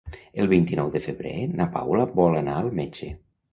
El vint-i-nou de febrer na Paula vol anar al metge.